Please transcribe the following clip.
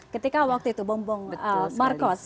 ketika waktu itu bombong marcos